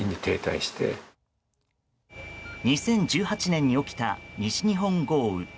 ２０１８年に起きた西日本豪雨。